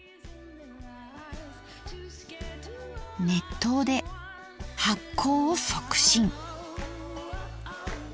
熱湯で発酵を促進。